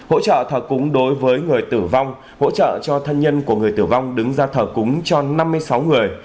hỗ trợ thờ cúng đối với người tử vong hỗ trợ cho thân nhân của người tử vong đứng ra thờ cúng cho năm mươi sáu người